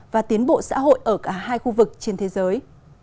và tiến bộ xã hội ở cả hai khu vực trên thế giới